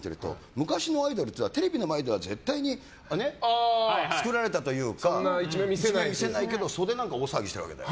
昔のアイドルっていうのはテレビの前では絶対に作られたというか見せないけど袖なんかで大騒ぎしてるわけ。